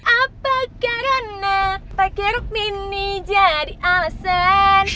apakah karena pake rukmini jadi alasan